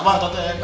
kiasan apa tete